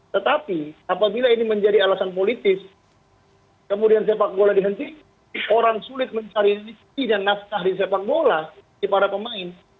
tetapi apabila ini menjadi alasan politis kemudian sepak bola dihentikan orang sulit mencari diksi dan naskah di sepak bola di para pemain